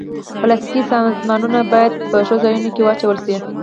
پلاستيکي سامانونه باید په ښو ځایونو کې واچول شي.